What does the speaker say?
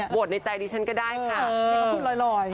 โหวตในใจดิฉันก็ได้ค่ะ